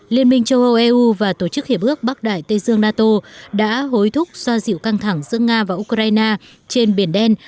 liên minh châu âu eu và tổ chức hiệp ước bắc đại tây dương nato đã hối thúc xoa dịu căng thẳng giữa nga và ukraine trên biển đen